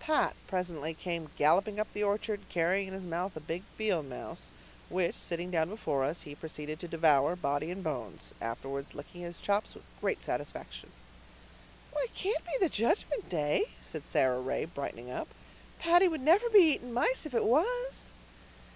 Pat presently came galloping up the orchard, carrying in his mouth a big field mouse, which, sitting down before us, he proceeded to devour, body and bones, afterwards licking his chops with great satisfaction. "It can't be the Judgment Day," said Sara Ray, brightening up. "Paddy would never be eating mice if it was."